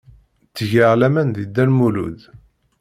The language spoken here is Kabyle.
Ttgeɣ laman deg Dda Lmulud.